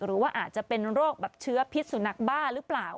หรือว่าอาจจะเป็นโรคแบบเชื้อพิษสุนัขบ้าหรือเปล่า